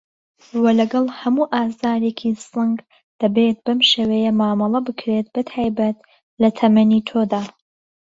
وه لەگەڵ هەموو ئازارێکی سنگ دەبێت بەم شێوەیە مامەڵه بکرێت بەتایبەت لە تەمەنی تۆدا